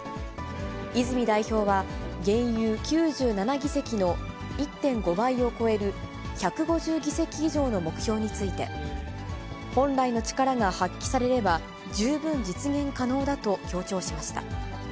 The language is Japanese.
泉代表は、現有９７議席の１．５倍を超える１５０議席以上の目標について、本来の力が発揮されれば、十分実現可能だと強調しました。